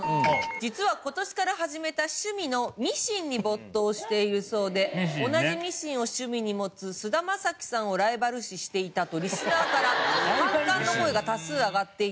「実は今年から始めた趣味のミシンに没頭しているそうで同じミシンを趣味に持つ菅田将暉さんをライバル視していたとリスナーから反感の声が多数上がっていた」との事です。